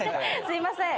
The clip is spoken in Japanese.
すいません。